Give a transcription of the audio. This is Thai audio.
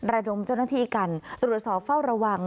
ระดมเจ้าหน้าที่กันตรวจสอบเฝ้าระวัง